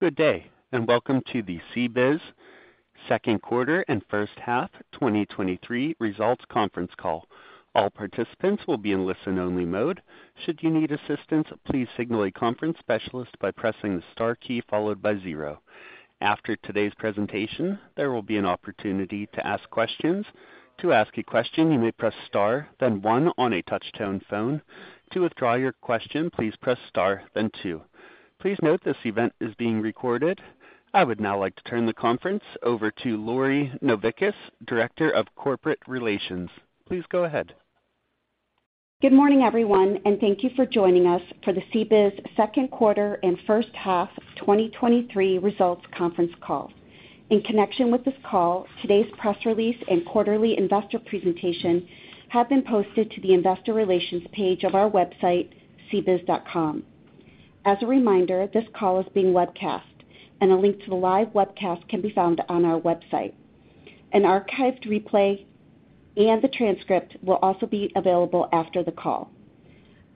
Good day, welcome to the CBIZ Q2 and H1 2023 results conference call. All participants will be in listen-only mode. Should you need assistance, please signal a conference specialist by pressing the star key followed by zero. After today's presentation, there will be an opportunity to ask questions. To ask a question, you may press Star, then one on a touch-tone phone. To withdraw your question, please press Star then two. Please note, this event is being recorded. I would now like to turn the conference over to Lori Novickis, Director of Corporate Relations. Please go ahead. Good morning, everyone, thank you for joining us for the CBIZ Q2 and H1 2023 results conference call. In connection with this call, today's press release and quarterly investor presentation have been posted to the investor relations page of our website, cbiz.com. As a reminder, this call is being webcast, a link to the live webcast can be found on our website. An archived replay and the transcript will also be available after the call.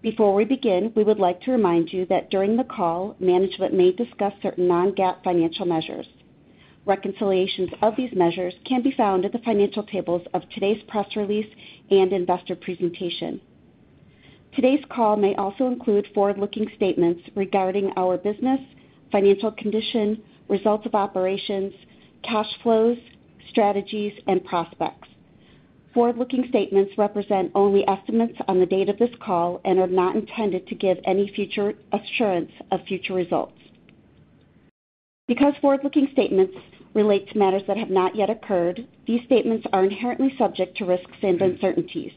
Before we begin, we would like to remind you that during the call, management may discuss certain non-GAAP financial measures. Reconciliations of these measures can be found in the financial tables of today's press release and investor presentation. Today's call may also include forward-looking statements regarding our business, financial condition, results of operations, cash flows, strategies, and prospects. Forward-looking statements represent only estimates on the date of this call and are not intended to give any assurance of future results. Because forward-looking statements relate to matters that have not yet occurred, these statements are inherently subject to risks and uncertainties.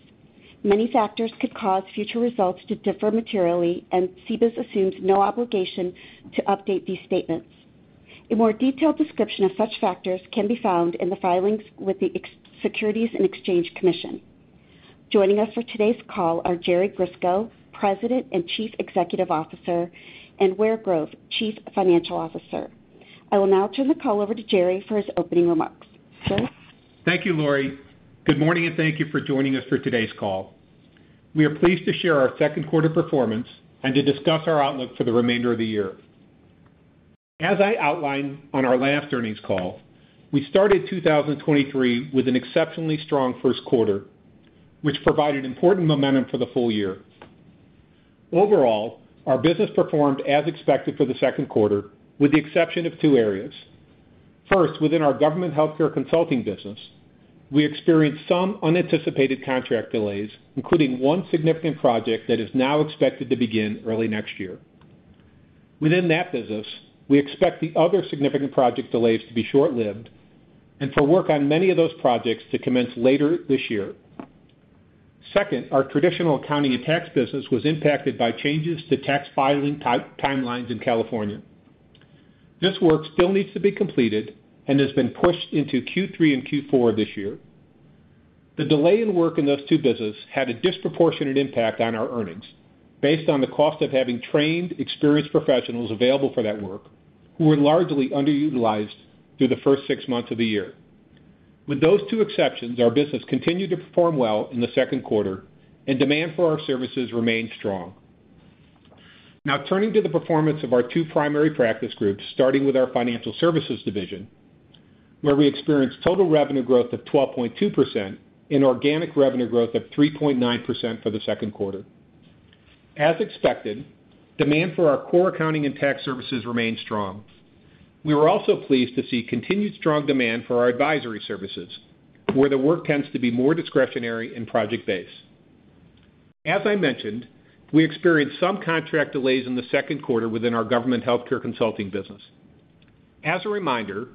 Many factors could cause future results to differ materially, and CBIZ assumes no obligation to update these statements. A more detailed description of such factors can be found in the filings with the Securities and Exchange Commission. Joining us for today's call are Jerry Grisko, President and Chief Executive Officer, and Ware Grove, Chief Financial Officer. I will now turn the call over to Jerry for his opening remarks. Jerry? Thank you, Lori. Good morning, thank you for joining us for today's call. We are pleased to share our Q2 performance and to discuss our outlook for the remainder of the year. As I outlined on our last earnings call, we started 2023 with an exceptionally strong Q1, which provided important momentum for the full year. Overall, our business performed as expected for the Q2, with the exception of two areas. First, within our government healthcare consulting business, we experienced some unanticipated contract delays, including one significant project that is now expected to begin early next year. Within that business, we expect the other significant project delays to be short-lived and for work on many of those projects to commence later this year. Second, our traditional accounting and tax business was impacted by changes to tax filing timelines in California. This work still needs to be completed and has been pushed into Q3 and Q4 this year. The delay in work in those two businesses had a disproportionate impact on our earnings, based on the cost of having trained, experienced professionals available for that work, who were largely underutilized through the first six months of the year. With those two exceptions, our business continued to perform well in the Q2, and demand for our services remained strong. Now turning to the performance of our two primary practice groups, starting with our financial services division, where we experienced total revenue growth of 12.2% and organic revenue growth of 3.9% for the Q2. As expected, demand for our core accounting and tax services remained strong. We were also pleased to see continued strong demand for our advisory services, where the work tends to be more discretionary and project-based. As I mentioned, we experienced some contract delays in the Q2 within our government healthcare consulting business. As a reminder,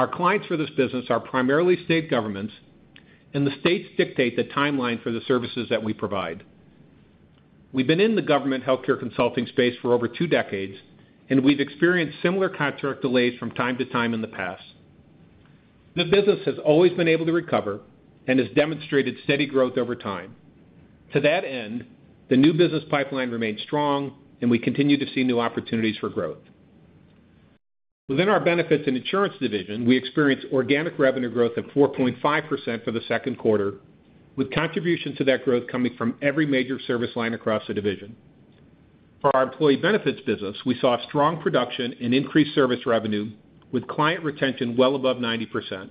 our clients for this business are primarily state governments, and the states dictate the timeline for the services that we provide. We've been in the government healthcare consulting space for over two decades, and we've experienced similar contract delays from time to time in the past. The business has always been able to recover and has demonstrated steady growth over time. To that end, the new business pipeline remains strong, and we continue to see new opportunities for growth. Within our Benefits and Insurance division, we experienced organic revenue growth of 4.5% for the Q2, with contributions to that growth coming from every major service line across the division. For our employee benefits business, we saw strong production and increased service revenue, with client retention well above 90%.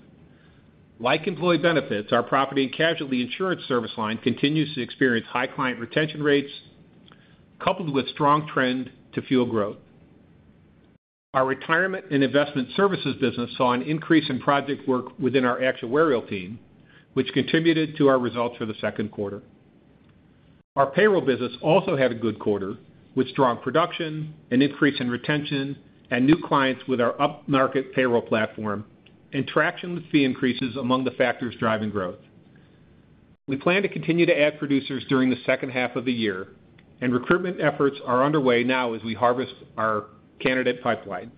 Like employee benefits, our property and casualty insurance service line continues to experience high client retention rates, coupled with strong trend to fuel growth. Our Retirement and Investment Services business saw an increase in project work within our actuarial team, which contributed to our results for the Q2. Our payroll business also had a good quarter, with strong production, an increase in retention, and new clients with our upmarket payroll platform, and traction with fee increases among the factors driving growth. We plan to continue to add producers during the H2 of the year, and recruitment efforts are underway now as we harvest our candidate pipeline.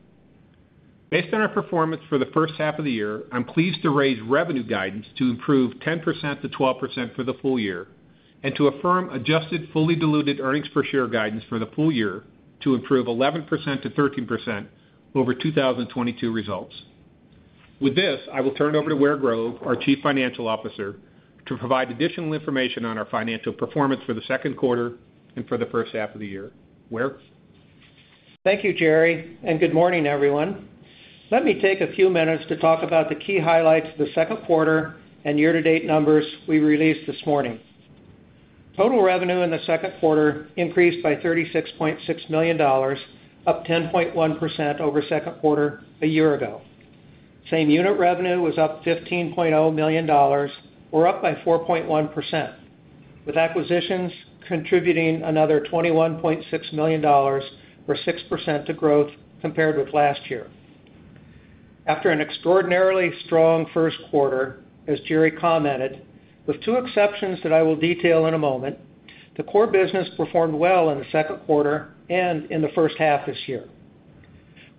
Based on our performance for the H1 of the year, I'm pleased to raise revenue guidance to improve 10%-12% for the full year and to affirm adjusted fully diluted earnings per share guidance for the full year to improve 11%-13% over 2022 results. With this, I will turn it over to Ware Grove, our Chief Financial Officer, to provide additional information on our financial performance for the Q2 and for the H1 of the year. Ware? Thank you, Jerry. Good morning, everyone. Let me take a few minutes to talk about the key highlights of the Q2 and year-to-date numbers we released this morning. Total revenue in the Q2 increased by $36.6 million, up 10.1% over Q2 a year ago. Same-unit revenue was up $15.0 million, or up by 4.1%, with acquisitions contributing another $21.6 million, or 6% to growth compared with last year. After an extraordinarily strong Q1, as Jerry commented, with two exceptions that I will detail in a moment, the core business performed well in the Q2 and in the H1 this year.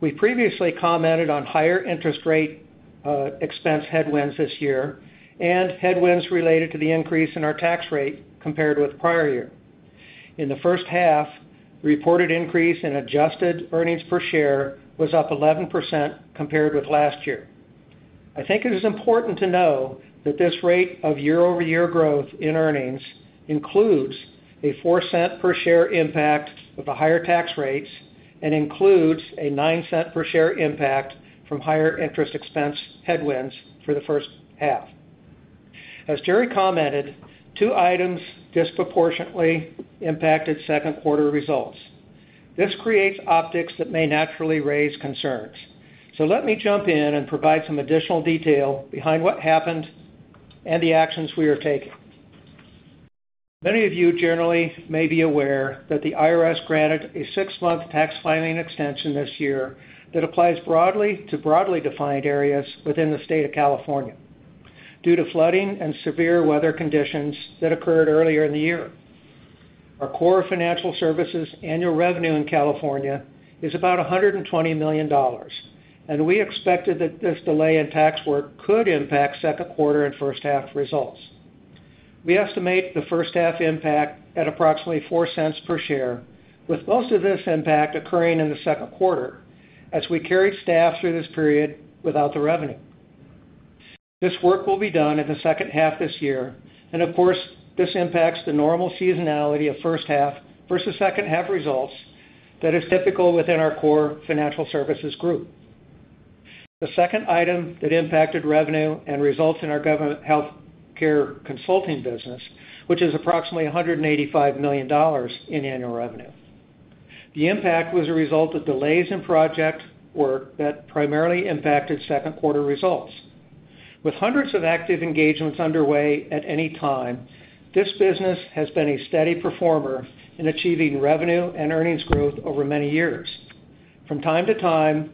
We previously commented on higher interest rate expense headwinds this year and headwinds related to the increase in our tax rate compared with prior year. In the H1, reported increase in adjusted earnings per share was up 11% compared with last year. I think it is important to know that this rate of year-over-year growth in earnings includes a $0.04 per share impact of the higher tax rates and includes a $0.09 per share impact from higher interest expense headwinds for the H1. As Jerry commented, two items disproportionately impacted Q2 results. This creates optics that may naturally raise concerns. Let me jump in and provide some additional detail behind what happened and the actions we are taking. Many of you generally may be aware that the IRS granted a six month tax filing extension this year that applies broadly to broadly defined areas within the state of California due to flooding and severe weather conditions that occurred earlier in the year. Our core financial services annual revenue in California is about $120 million, and we expected that this delay in tax work could impact Q2 and H1 results. We estimate the H1 impact at approximately $0.04 per share, with most of this impact occurring in the Q2, as we carried staff through this period without the revenue. This work will be done in the H2 this year, and of course, this impacts the normal seasonality of H1 versus H2 results that is typical within our core financial services group. The second item that impacted revenue and results in our government healthcare consulting business, which is approximately $185 million in annual revenue. The impact was a result of delays in project work that primarily impacted Q2 results. With hundreds of active engagements underway at any time, this business has been a steady performer in achieving revenue and earnings growth over many years. From time to time,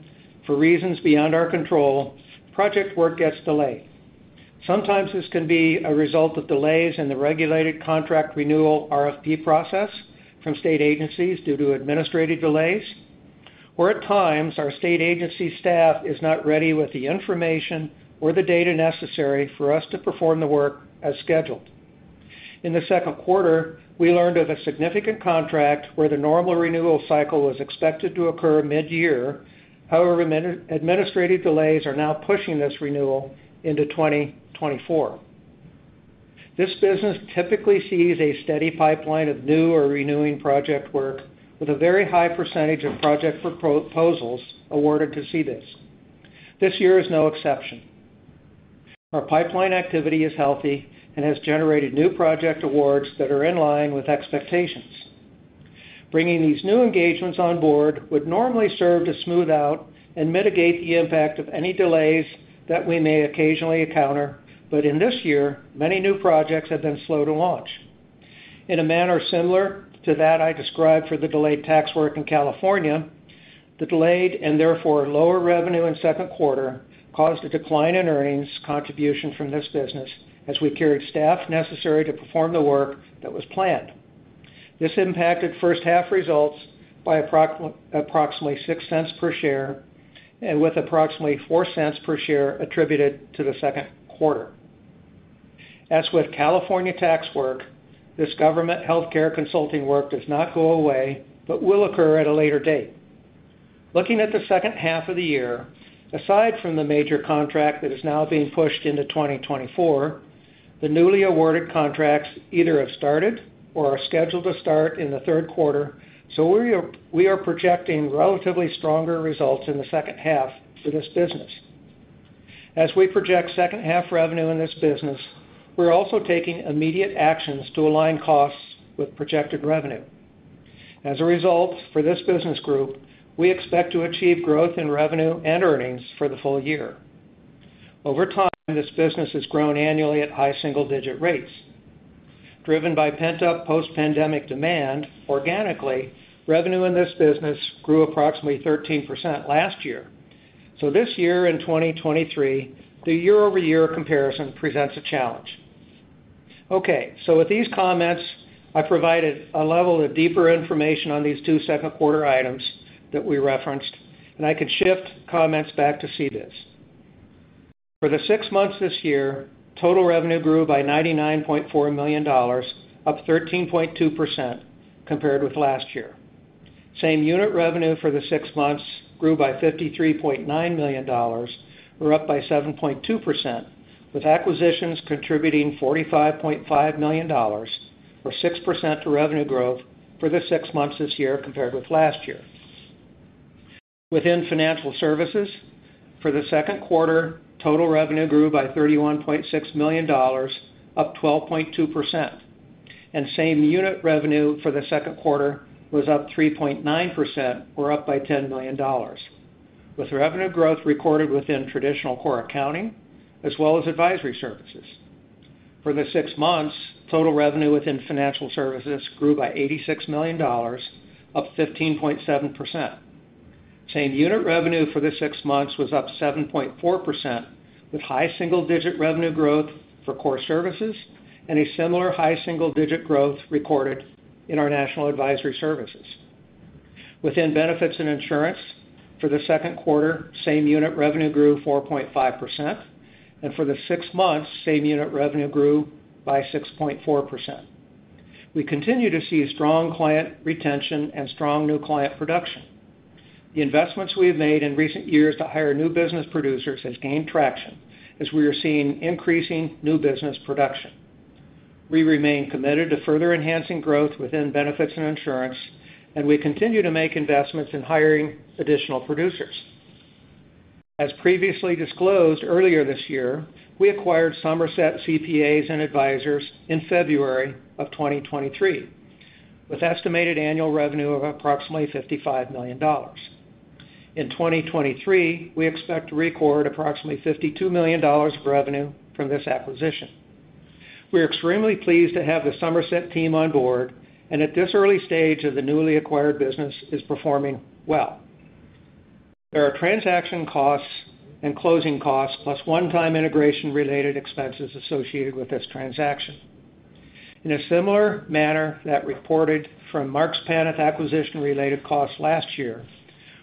for reasons beyond our control, project work gets delayed. Sometimes this can be a result of delays in the regulated contract renewal RFP process from state agencies due to administrative delays, or at times, our state agency staff is not ready with the information or the data necessary for us to perform the work as scheduled. In the Q2, we learned of a significant contract where the normal renewal cycle was expected to occur mid-year. Administrative delays are now pushing this renewal into 2024. This business typically sees a steady pipeline of new or renewing project work with a very high percentage of project proposals awarded to CBIZ. This year is no exception. Our pipeline activity is healthy and has generated new project awards that are in line with expectations. Bringing these new engagements on board would normally serve to smooth out and mitigate the impact of any delays that we may occasionally encounter, but in this year, many new projects have been slow to launch. In a manner similar to that I described for the delayed tax work in California, the delayed and therefore lower revenue in Q2, caused a decline in earnings contribution from this business as we carried staff necessary to perform the work that was planned. This impacted H1 results by approximately $0.06 per share, and with approximately $0.04 per share attributed to the Q2. As with California tax work, this government healthcare consulting work does not go away, but will occur at a later date. Looking at the H2 of the year, aside from the major contract that is now being pushed into 2024, the newly awarded contracts either have started or are scheduled to start in the Q3. We are projecting relatively stronger results in the H2 for this business. As we project H2 revenue in this business, we're also taking immediate actions to align costs with projected revenue. As a result, for this business group, we expect to achieve growth in revenue and earnings for the full year. Over time, this business has grown annually at high single-digit rates. Driven by pent-up post-pandemic demand, organically, revenue in this business grew approximately 13% last year. This year, in 2023, the year-over-year comparison presents a challenge. With these comments, I provided a level of deeper information on these two Q2 items that we referenced. I could shift comments back to CBIZ. For the six months this year, total revenue grew by $99.4 million, up 13.2% compared with last year. Same unit revenue for the six months grew by $53.9 million, or up by 7.2%, with acquisitions contributing $45.5 million, or 6% to revenue growth for the six months this year compared with last year. Within financial services, for the Q2, total revenue grew by $31.6 million, up 12.2%, and same unit revenue for the Q2 was up 3.9%, or up by $10 million, with revenue growth recorded within traditional core accounting as well as advisory services. For the six months, total revenue within financial services grew by $86 million, up 15.7%. Same unit revenue for the six months was up 7.4%, with high single-digit revenue growth for core services and a similar high single-digit growth recorded in our national advisory services. Within benefits and insurance for the Q2, same unit revenue grew 4.5%, and for the six months, same unit revenue grew by 6.4%. We continue to see strong client retention and strong new client production. The investments we have made in recent years to hire new business producers has gained traction as we are seeing increasing new business production. We remain committed to further enhancing growth within benefits and insurance, and we continue to make investments in hiring additional producers. As previously disclosed earlier this year, we acquired Somerset CPAs and Advisors in February 2023, with estimated annual revenue of approximately $55 million. In 2023, we expect to record approximately $52 million of revenue from this acquisition. We are extremely pleased to have the Somerset team on board, and at this early stage of the newly acquired business is performing well. There are transaction costs and closing costs, plus one-time integration-related expenses associated with this transaction. In a similar manner that reported from Marks Paneth acquisition-related costs last year,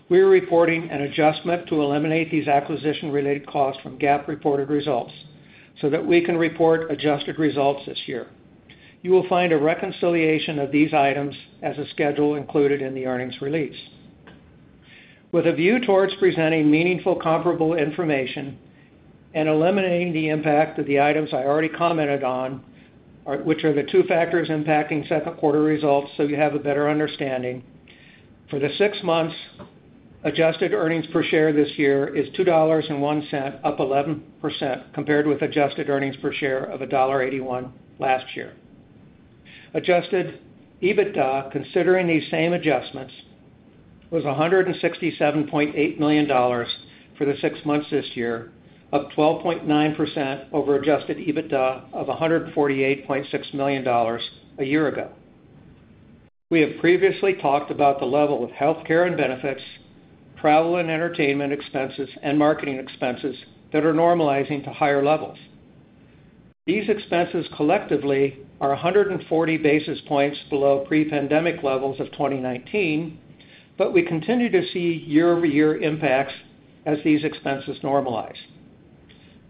we are reporting an adjustment to eliminate these acquisition-related costs from GAAP reported results so that we can report adjusted results this year. You will find a reconciliation of these items as a schedule included in the earnings release. With a view towards presenting meaningful, comparable information and eliminating the impact of the items I already commented on, which are the two factors impacting Q2 results, so you have a better understanding. For the six months, adjusted earnings per share this year is $2.01, up 11%, compared with adjusted earnings per share of $1.81 last year. Adjusted EBITDA, considering these same adjustments, was $167.8 million for the six months this year, up 12.9% over Adjusted EBITDA of $148.6 million a year ago. We have previously talked about the level of healthcare and benefits, travel and entertainment expenses, and marketing expenses that are normalizing to higher levels. These expenses collectively are 140 basis points below pre-pandemic levels of 2019, but we continue to see year-over-year impacts as these expenses normalize.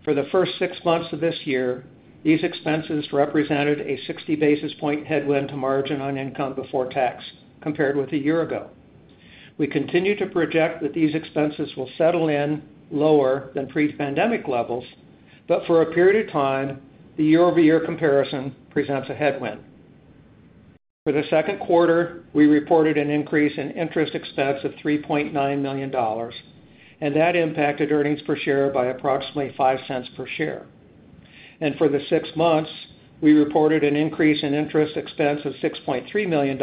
For the first six months of this year, these expenses represented a 60 basis point headwind to margin on income before tax compared with a year ago. We continue to project that these expenses will settle in lower than pre-pandemic levels, but for a period of time, the year-over-year comparison presents a headwind. For the Q2, we reported an increase in interest expense of $3.9 million, and that impacted earnings per share by approximately $0.05 per share. For the six months, we reported an increase in interest expense of $6.3 million,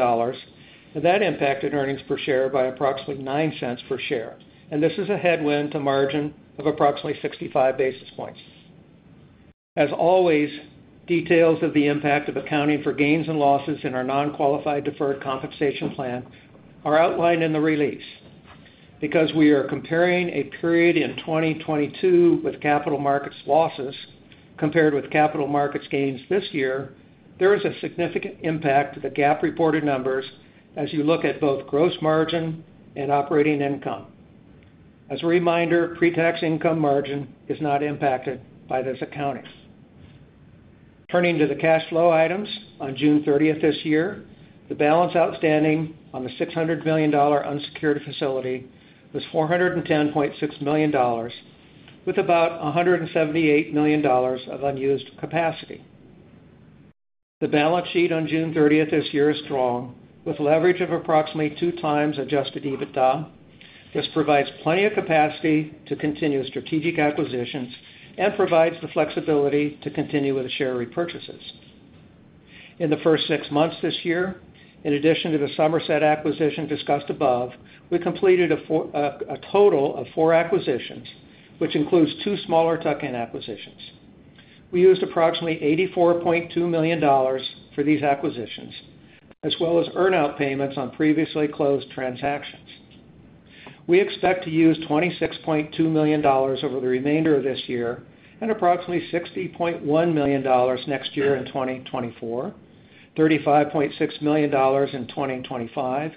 and that impacted earnings per share by approximately $0.09 per share. This is a headwind to margin of approximately 65 basis points. As always, details of the impact of accounting for gains and losses in our non-qualified deferred compensation plan are outlined in the release. Because we are comparing a period in 2022 with capital markets losses compared with capital markets gains this year, there is a significant impact to the GAAP reported numbers as you look at both gross margin and operating income. As a reminder, pre-tax income margin is not impacted by this accounting. Turning to the cash flow items, on June 30th this year, the balance outstanding on the $600 million unsecured facility was $410.6 million, with about $178 million of unused capacity. The balance sheet on June 30th this year is strong, with leverage of approximately 2x adjusted EBITDA. This provides plenty of capacity to continue strategic acquisitions and provides the flexibility to continue with the share repurchases. In the first six months this year, in addition to the Somerset acquisition discussed above, we completed a total of four acquisitions, which includes two smaller tuck-in acquisitions. We used approximately $84.2 million for these acquisitions, as well as earn-out payments on previously closed transactions. We expect to use $26.2 million over the remainder of this year and approximately $60.1 million next year in 2024, $35.6 million in 2025,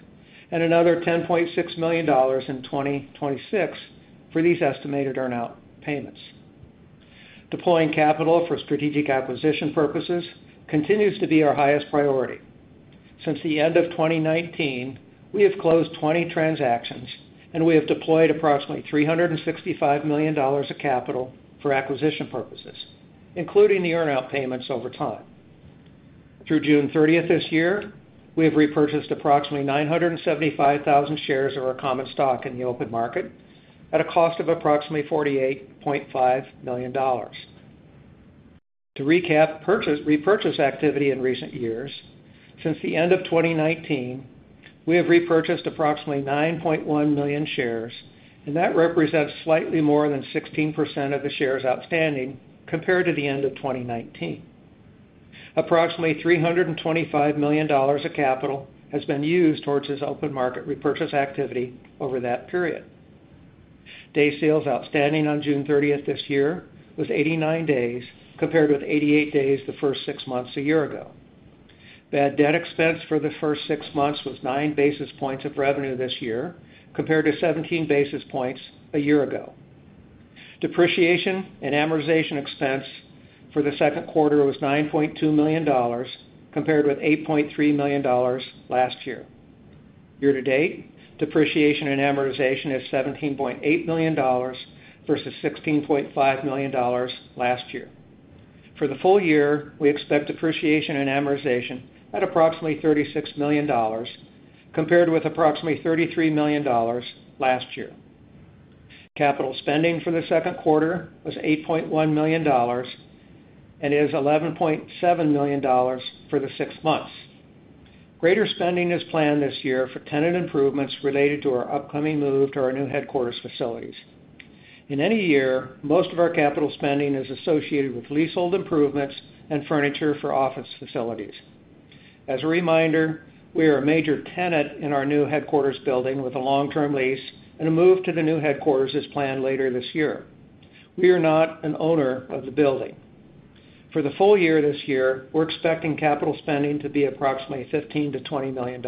and another $10.6 million in 2026 for these estimated earn-out payments. Deploying capital for strategic acquisition purposes continues to be our highest priority. Since the end of 2019, we have closed 20 transactions, we have deployed approximately $365 million of capital for acquisition purposes, including the earn-out payments over time. Through June 30th this year, we have repurchased approximately 975,000 shares of our common stock in the open market at a cost of approximately $48.5 million. To recap, repurchase activity in recent years, since the end of 2019, we have repurchased approximately 9.1 million shares, and that represents slightly more than 16% of the shares outstanding compared to the end of 2019. Approximately $325 million of capital has been used towards this open market repurchase activity over that period. Day sales outstanding on June 30th this year was 89 days, compared with 88 days the first six months a year ago. Bad debt expense for the first six months was 9 basis points of revenue this year, compared to 17 basis points a year ago. Depreciation and amortization expense for the Q2 was $9.2 million, compared with $8.3 million last year. Year to date, depreciation and amortization is $17.8 million versus $16.5 million last year. For the full year, we expect depreciation and amortization at approximately $36 million, compared with approximately $33 million last year. Capital spending for the Q2 was $8.1 million, and is $11.7 million for the six months. Greater spending is planned this year for tenant improvements related to our upcoming move to our new headquarters facilities. In any year, most of our capital spending is associated with leasehold improvements and furniture for office facilities. As a reminder, we are a major tenant in our new headquarters building with a long-term lease, and a move to the new headquarters is planned later this year. We are not an owner of the building. For the full year this year, we're expecting capital spending to be approximately $15 million-$20 million.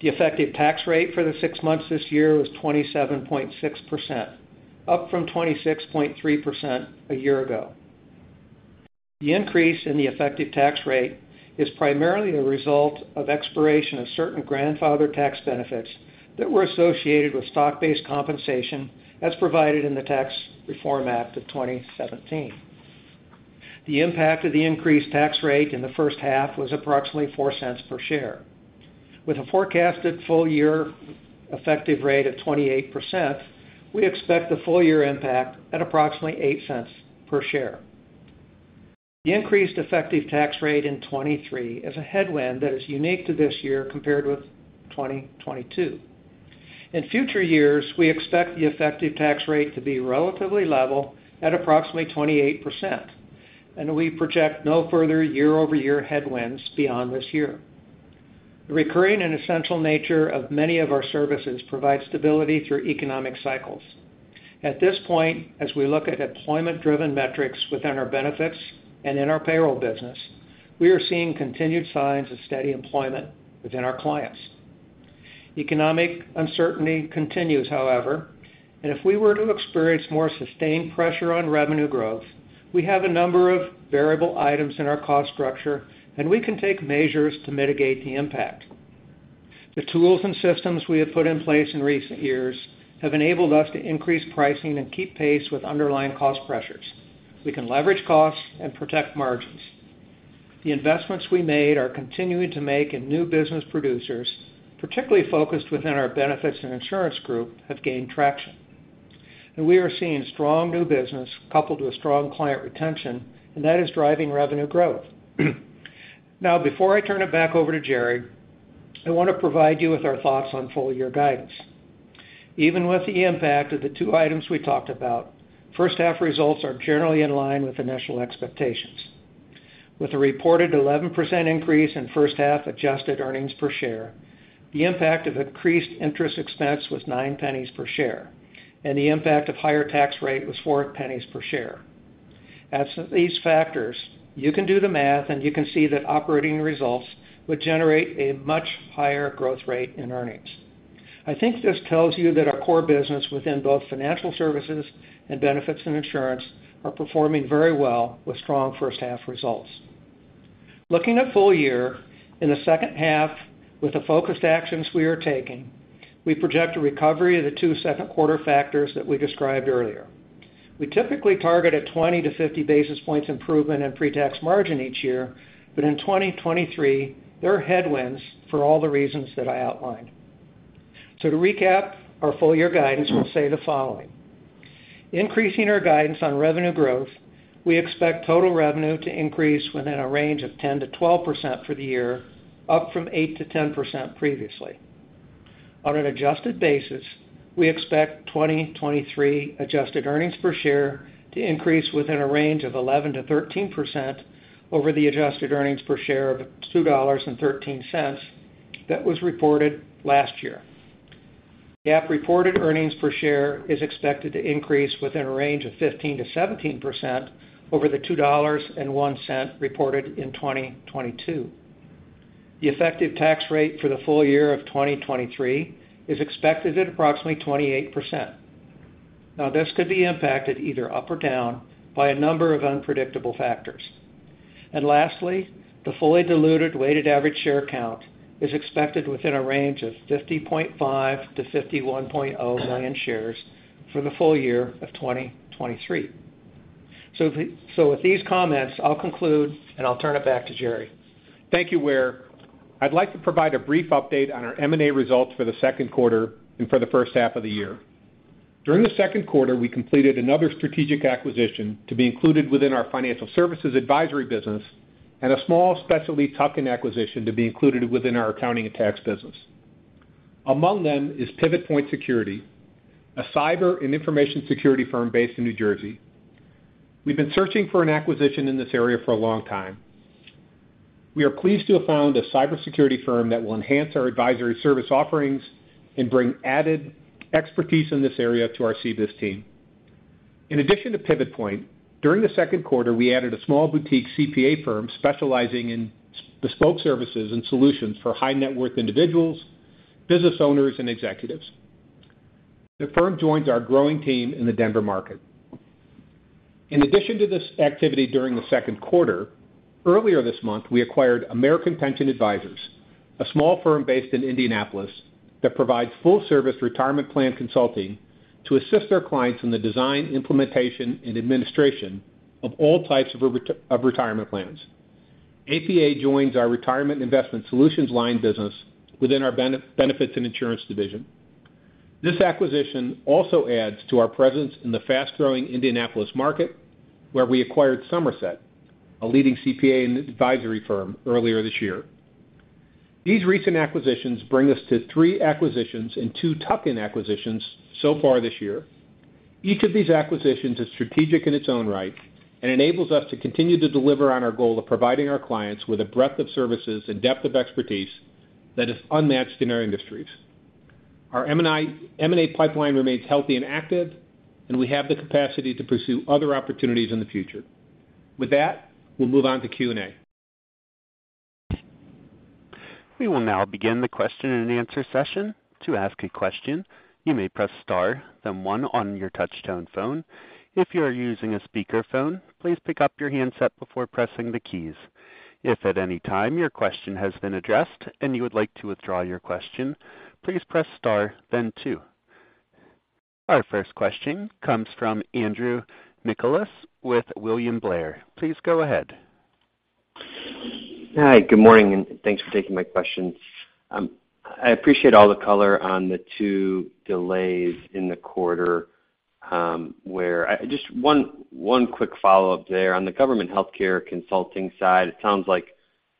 The effective tax rate for the six months this year was 27.6%, up from 26.3% a year ago. The increase in the effective tax rate is primarily a result of expiration of certain grandfathered tax benefits that were associated with stock-based compensation, as provided in the Tax Reform Act of 2017. The impact of the increased tax rate in the H1 was approximately $0.04 per share. With a forecasted full year effective rate of 28%, we expect the full year impact at approximately $0.08 per share. The increased effective tax rate in 2023 is a headwind that is unique to this year compared with 2022. In future years, we expect the effective tax rate to be relatively level at approximately 28%, and we project no further year-over-year headwinds beyond this year. The recurring and essential nature of many of our services provide stability through economic cycles. At this point, as we look at employment-driven metrics within our benefits and in our payroll business, we are seeing continued signs of steady employment within our clients. Economic uncertainty continues, however, and if we were to experience more sustained pressure on revenue growth, we have a number of variable items in our cost structure, and we can take measures to mitigate the impact. The tools and systems we have put in place in recent years have enabled us to increase pricing and keep pace with underlying cost pressures. We can leverage costs and protect margins. The investments we made are continuing to make in new business producers, particularly focused within our Benefits and Insurance group, have gained traction. We are seeing strong new business coupled with strong client retention, and that is driving revenue growth. Now, before I turn it back over to Jerry, I want to provide you with our thoughts on full-year guidance. Even with the impact of the two items we talked about, H1 results are generally in line with initial expectations. With a reported 11% increase in H1 adjusted earnings per share, the impact of increased interest expense was $0.09 per share, and the impact of higher tax rate was $0.04 per share. Absolutely these factors, you can do the math, and you can see that operating results would generate a much higher growth rate in earnings. I think this tells you that our core business within both financial services and benefits and insurance are performing very well with strong H1 results. Looking at full year, in the H2, with the focused actions we are taking, we project a recovery of the two Q2 factors that we described earlier. We typically target a 20 basis points-50 basis points improvement in pre-tax margin each year, but in 2023, there are headwinds for all the reasons that I outlined. To recap, our full year guidance will say the following: increasing our guidance on revenue growth, we expect total revenue to increase within a range of 10%-12% for the year, up from 8%-10% previously. On an adjusted basis, we expect 2023 adjusted earnings per share to increase within a range of 11%-13% over the adjusted earnings per share of $2.13 that was reported last year. GAAP reported earnings per share is expected to increase within a range of 15%-17% over the $2.01 reported in 2022. The effective tax rate for the full year of 2023 is expected at approximately 28%. This could be impacted either up or down by a number of unpredictable factors. Lastly, the fully diluted weighted average share count is expected within a range of 50.5 million-51.0 million shares for the full year of 2023. With these comments, I'll conclude, and I'll turn it back to Jerry. Thank you, Ware. I'd like to provide a brief update on our M&A results for the Q2 and for the H1 of the year. During the Q2, we completed another strategic acquisition to be included within our financial services advisory business and a small specialty tuck-in acquisition to be included within our accounting and tax business. Among them is Pivot Point Security, a cyber and information security firm based in New Jersey. We've been searching for an acquisition in this area for a long time. We are pleased to have found a cybersecurity firm that will enhance our advisory service offerings and bring added expertise in this area to our CBIZ team. In addition to Pivot Point, during the Q2, we added a small boutique CPA firm specializing in bespoke services and solutions for high net worth individuals, business owners, and executives. The firm joins our growing team in the Denver market. In addition to this activity during the Q2, earlier this month, we acquired American Pension Advisors, a small firm based in Indianapolis, that provides full-service retirement plan consulting to assist their clients in the design, implementation, and administration of all types of retirement plans. APA joins our Retirement and Investment Solutions line business within our Benefits and Insurance division. This acquisition also adds to our presence in the fast-growing Indianapolis market, where we acquired Somerset, a leading CPA and advisory firm, earlier this year. These recent acquisitions bring us to three acquisitions and two tuck-in acquisitions so far this year. Each of these acquisitions is strategic in its own right and enables us to continue to deliver on our goal of providing our clients with a breadth of services and depth of expertise that is unmatched in our industries. Our M&A pipeline remains healthy and active, and we have the capacity to pursue other opportunities in the future. With that, we'll move on to Q&A. We will now begin the question-and-answer session. To ask a question, you may press star, then one on your touchtone phone. If you are using a speakerphone, please pick up your handset before pressing the keys. If at any time your question has been addressed and you would like to withdraw your question, please press star then two. Our first question comes from Andrew Nicholas with William Blair. Please go ahead. Hi, good morning, and thanks for taking my questions. I appreciate all the color on the two delays in the quarter, just one quick follow-up there. On the government healthcare consulting side, it sounds like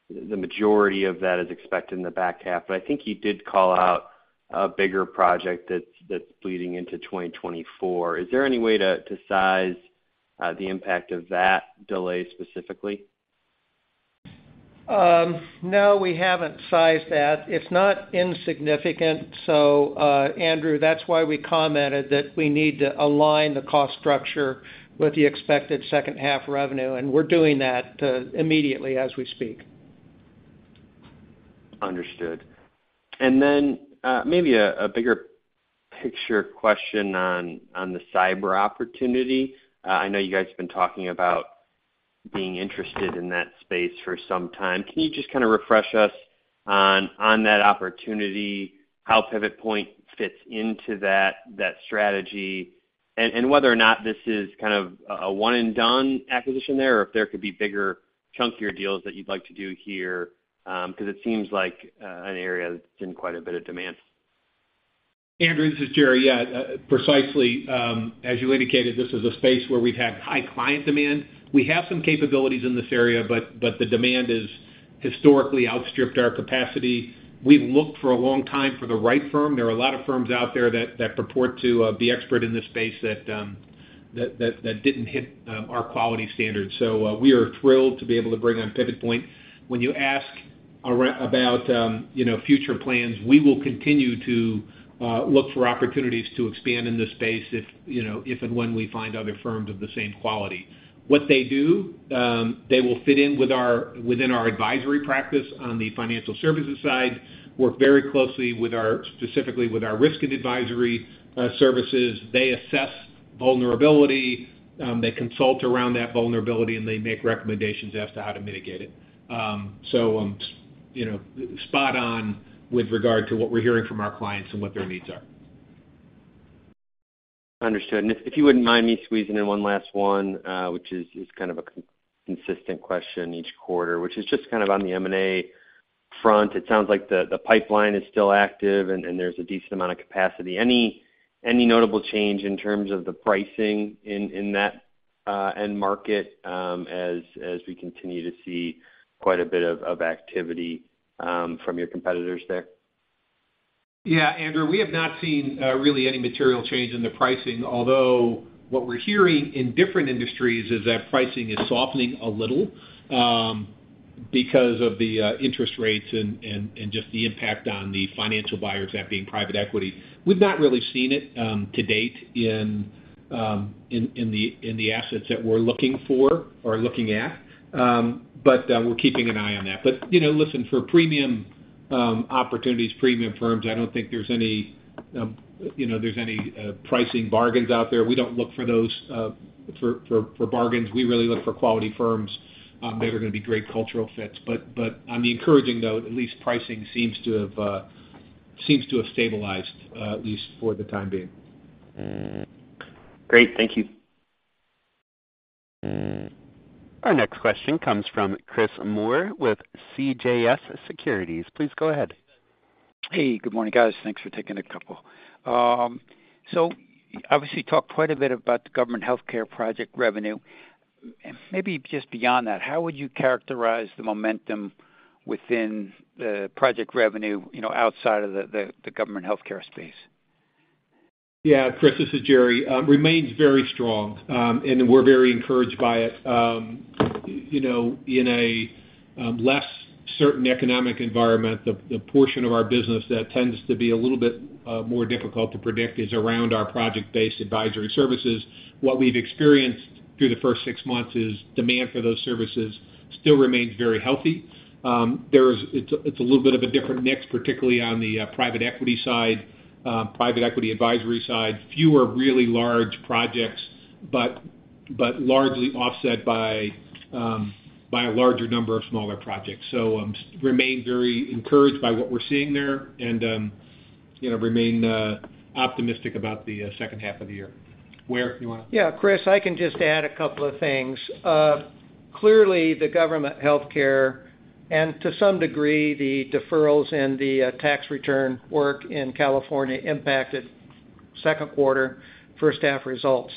the majority of that is expected in the back half, but I think you did call out a bigger project that's, that's bleeding into 2024. Is there any way to, to size the impact of that delay specifically? No, we haven't sized that. It's not insignificant. Andrew, that's why we commented that we need to align the cost structure with the expected H2 revenue, and we're doing that, immediately as we speak. Understood. Maybe a bigger picture question on the cyber opportunity. I know you guys have been talking about being interested in that space for some time. Can you just kind of refresh us on that opportunity, how Pivot Point fits into that strategy, and whether or not this is kind of a one-and-done acquisition there, or if there could be bigger, chunkier deals that you'd like to do here? Because it seems like an area that's in quite a bit of demand. Andrew, this is Jerry. Yeah, precisely, as you indicated, this is a space where we've had high client demand. We have some capabilities in this area, but the demand is historically outstripped our capacity. We've looked for a long time for the right firm. There are a lot of firms out there that purport to be expert in this space that didn't hit our quality standards. We are thrilled to be able to bring on Pivot Point. When you ask about, you know, future plans, we will continue to look for opportunities to expand in this space if, you know, if and when we find other firms of the same quality. What they do, they will fit in with within our advisory practice on the financial services side, work very closely with our, specifically with our risk and advisory services. They assess vulnerability, they consult around that vulnerability, and they make recommendations as to how to mitigate it. You know, spot on with regard to what we're hearing from our clients and what their needs are. Understood. If you wouldn't mind me squeezing in one last one, which is kind of a consistent question each quarter, which is just kind of on the M&A front. It sounds like the pipeline is still active and there's a decent amount of capacity. Any notable change in terms of the pricing in that end market, as we continue to see quite a bit of activity from your competitors there? Yeah, Andrew, we have not seen really any material change in the pricing, although what we're hearing in different industries is that pricing is softening a little, because of the interest rates and just the impact on the financial buyers, that being private equity. We've not really seen it to date in the assets that we're looking for or looking at, but we're keeping an eye on that. You know, listen, for premium opportunities, premium firms. I don't think there's any, you know, pricing bargains out there. We don't look for those for bargains. We really look for quality firms that are going to be great cultural fits. On the encouraging note, at least pricing seems to have stabilized, at least for the time being. Great. Thank you. Our next question comes from Chris Moore with CJS Securities. Please go ahead. Hey, good morning, guys. Thanks for taking a couple. Obviously, you talked quite a bit about the government healthcare project revenue. Maybe just beyond that, how would you characterize the momentum within the project revenue, you know, outside of the government healthcare space? Yeah, Chris, this is Jerry. Remains very strong, and we're very encouraged by it. You know, in a less certain economic environment, the portion of our business that tends to be a little bit more difficult to predict is around our project-based advisory services. What we've experienced through the first six months is demand for those services still remains very healthy. It's a little bit of a different mix, particularly on the private equity side, private equity advisory side. Fewer really large projects, but largely offset by a larger number of smaller projects. Remain very encouraged by what we're seeing there and, you know, remain optimistic about the H2 of the year. Ware, you want to- Yeah, Chris, I can just add a couple of things. Clearly, the government healthcare, and to some degree, the deferrals and the tax return work in California impacted Q2, H1 results.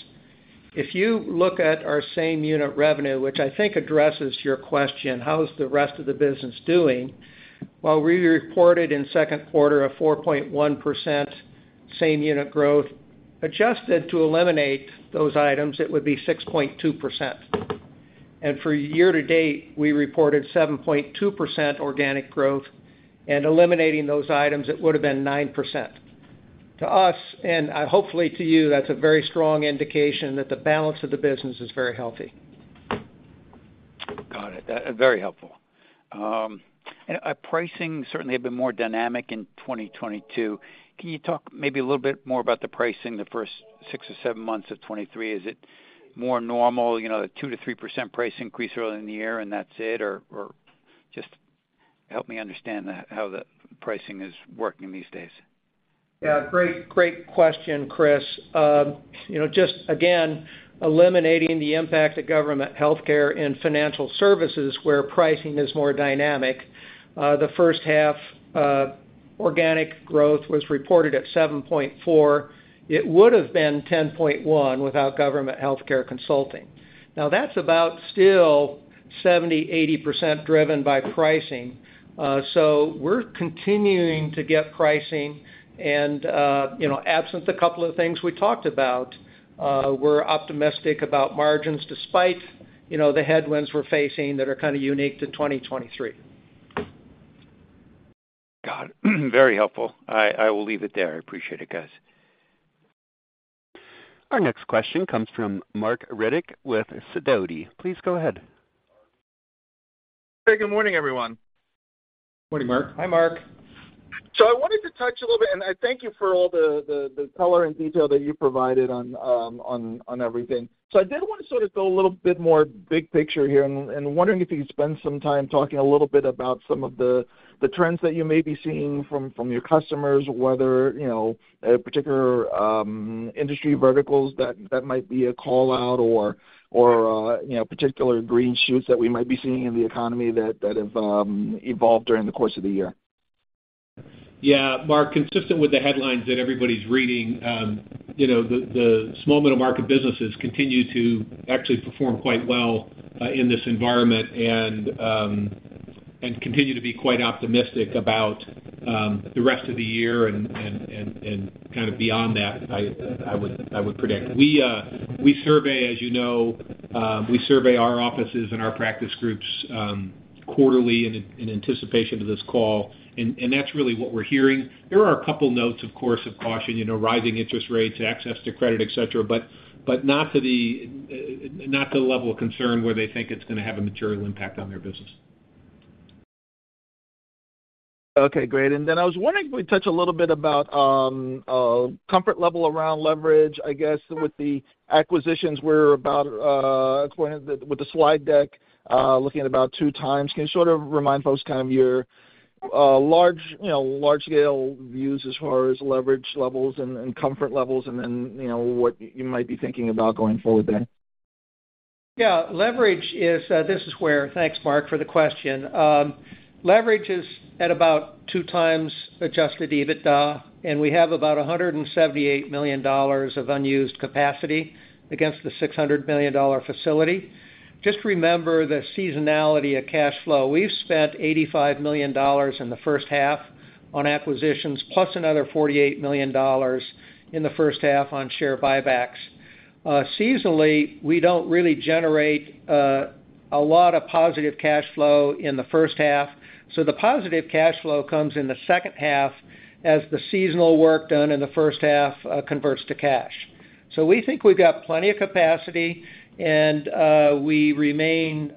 If you look at our same unit revenue, which I think addresses your question, how is the rest of the business doing? While we reported in Q2 a 4.1% same unit growth, adjusted to eliminate those items, it would be 6.2%. For year to date, we reported 7.2% organic growth, and eliminating those items, it would have been 9%. To us, and hopefully to you, that's a very strong indication that the balance of the business is very healthy. Got it. Very helpful. Our pricing certainly have been more dynamic in 2022. Can you talk maybe a little bit more about the pricing the first six or seven months of 2023? Is it more normal, you know, a 2%-3% price increase earlier in the year, and that's it? Or just help me understand how the pricing is working these days. Great question, Chris. You know, just again, eliminating the impact of government healthcare and financial services, where pricing is more dynamic, the H1 organic growth was reported at 7.4%. It would have been 10.1% without government healthcare consulting. That's about still 70%-80% driven by pricing. We're continuing to get pricing and, you know, absent a couple of things we talked about, we're optimistic about margins despite, you know, the headwinds we're facing that are kind of unique to 2023. Got it. Very helpful. I, I will leave it there. I appreciate it, guys. Our next question comes from Marc Riddick with Sidoti. Please go ahead. Hey, good morning, everyone. Morning, Marc. Hi, Marc. I wanted to touch a little bit. I thank you for all the color and detail that you provided on everything. I did want to sort of go a little bit more big picture here and wondering if you'd spend some time talking a little bit about some of the trends that you may be seeing from your customers, whether, you know, a particular industry verticals that might be a call-out or, you know, particular green shoots that we might be seeing in the economy that have evolved during the course of the year. Yeah, Marc, consistent with the headlines that everybody's reading, you know, the small middle-market businesses continue to actually perform quite well in this environment and continue to be quite optimistic about the rest of the year and kind of beyond that, I would predict. We survey, as you know, we survey our offices and our practice groups quarterly in anticipation of this call, and that's really what we're hearing. There are a couple notes, of course, of caution, you know, rising interest rates, access to credit, et cetera, but not to the level of concern where they think it's going to have a material impact on their business. Okay, great. I was wondering if we'd touch a little bit about comfort level around leverage, I guess, with the acquisitions we're about going with the slide deck, looking at about 2x. Can you sort of remind folks kind of your large, you know, large-scale views as far as leverage levels and comfort levels, and then, you know, what you might be thinking about going forward there? Leverage is. This is Ware. Thanks, Marc, for the question. Leverage is at about 2x adjusted EBITDA, and we have about $178 million of unused capacity against the $600 million facility. Just remember the seasonality of cash flow. We've spent $85 million in the H1 on acquisitions, plus another $48 million in the H1 on share buybacks. Seasonally, we don't really generate a lot of positive cash flow in the H1, the positive cash flow comes in the H2. As the seasonal work done in the H1 converts to cash. We think we've got plenty of capacity, and we remain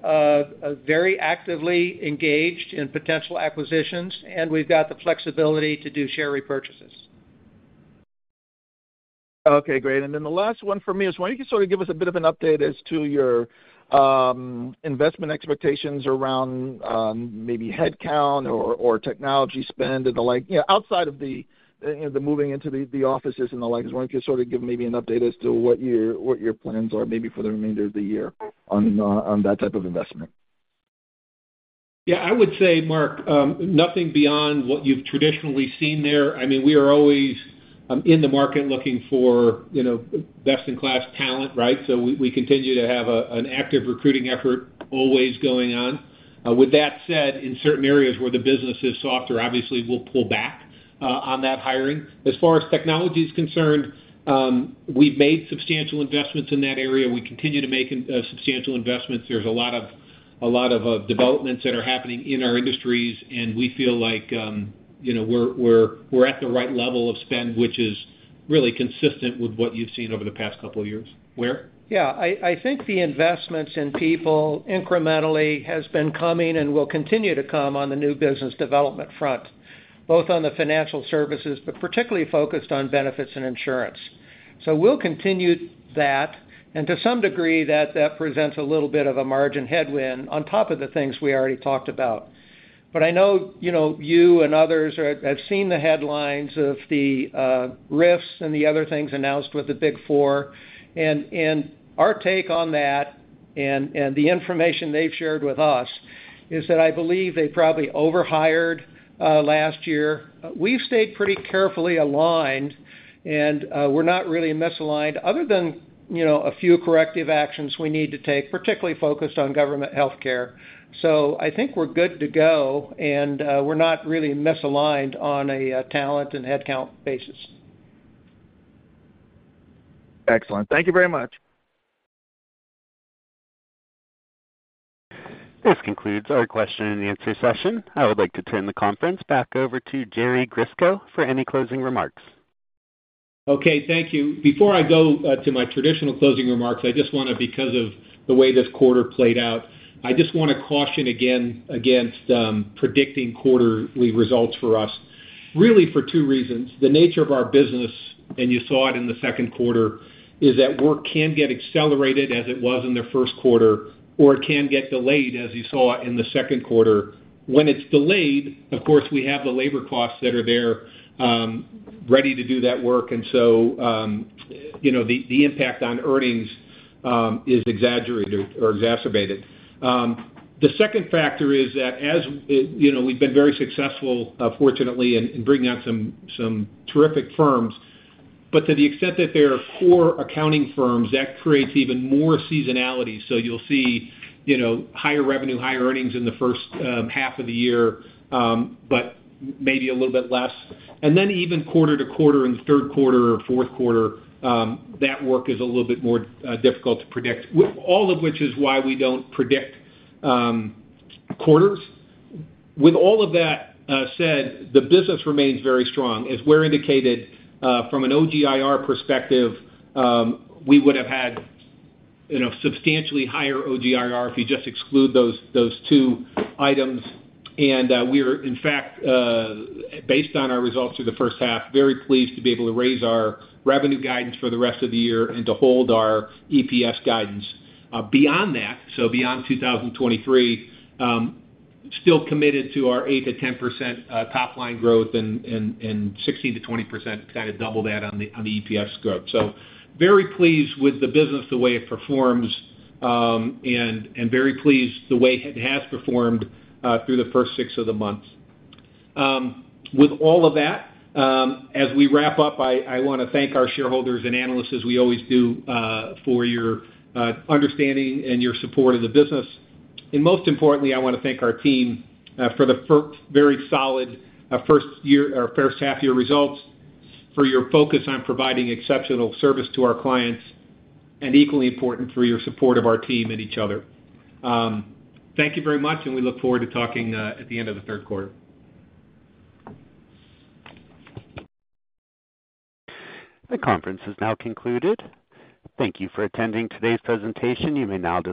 very actively engaged in potential acquisitions, and we've got the flexibility to do share repurchases. Okay, great. Then the last one for me is, wonder if you can sort of give us a bit of an update as to your investment expectations around maybe headcount or technology spend and the like? You know, outside of the, the moving into the, the offices and the like. Why don't you sort of give maybe an update as to what your, what your plans are, maybe for the remainder of the year on that type of investment? Yeah, I would say, Marc, nothing beyond what you've traditionally seen there. I mean, we are always in the market looking for, you know, best-in-class talent, right? We continue to have an active recruiting effort always going on. With that said, in certain areas where the business is softer, obviously, we'll pull back on that hiring. As far as technology is concerned, we've made substantial investments in that area. We continue to make substantial investments. There's a lot of developments that are happening in our industries, and we feel like, you know, we're at the right level of spend, which is really consistent with what you've seen over the past couple of years. Ware? I think the investments in people incrementally has been coming and will continue to come on the new business development front, both on the financial services, but particularly focused on benefits and insurance. We'll continue that, and to some degree, that, that presents a little bit of a margin headwind on top of the things we already talked about. I know, you know, you and others have seen the headlines of the risks and the other things announced with the Big4. Our take on that, the information they've shared with us, is that I believe they probably overhired last year. We've stayed pretty carefully aligned, we're not really misaligned, other than, you know, a few corrective actions we need to take, particularly focused on government healthcare. I think we're good to go, and we're not really misaligned on a talent and headcount basis. Excellent. Thank you very much. This concludes our question and answer session. I would like to turn the conference back over to Jerry Grisko for any closing remarks. Okay, thank you. Before I go to my traditional closing remarks, I just wanna, because of the way this quarter played out, I just wanna caution again against predicting quarterly results for us, really, for two reasons: the nature of our business, and you saw it in the Q2, is that work can get accelerated as it was in the Q1, or it can get delayed, as you saw in the Q2. When it's delayed, of course, we have the labor costs that are there, ready to do that work, and so, you know, the, the impact on earnings is exaggerated or exacerbated. The second factor is that as, you know, we've been very successful, fortunately, in, in bringing out some, some terrific firms, but to the extent that they are four accounting firms, that creates even more seasonality. You'll see, you know, higher revenue, higher earnings in the H1 of the year, but maybe a little bit less. Even quarter to quarter, in the Q3 or Q4, that work is a little bit more difficult to predict. All of which is why we don't predict quarters. With all of that said, the business remains very strong. As Ware indicated, from an OGIR perspective, we would have had, you know, substantially higher OGIR if you just exclude those two items. We are, in fact, based on our results through the H1, very pleased to be able to raise our revenue guidance for the rest of the year and to hold our EPS guidance. Beyond that, so beyond 2023, still committed to our 8%-10% top line growth and 16%-20%, kind of double that on the EPS growth. Very pleased with the business, the way it performs, and very pleased the way it has performed through the first six of the months. With all of that, as we wrap up, I wanna thank our shareholders and analysts, as we always do, for your understanding and your support of the business. Most importantly, I wanna thank our team for the very solid first year or H1 year results, for your focus on providing exceptional service to our clients, and equally important, for your support of our team and each other. Thank you very much, and we look forward to talking at the end of the Q3. The conference is now concluded. Thank you for attending today's presentation. You may now disconnect.